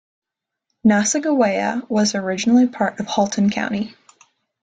Nassagaweya was originally part of Halton County.